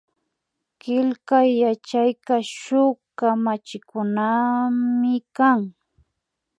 Killkay yachayka shuk kamachikunamikan